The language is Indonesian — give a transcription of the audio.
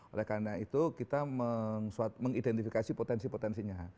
oleh karena itu kita mengidentifikasi potensi potensinya